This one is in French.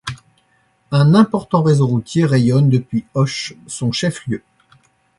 Un important réseau routier rayonne depuis Auch, son chef-lieu.